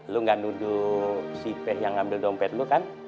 lo gak nuduh si ipek yang ambil dompet lo kan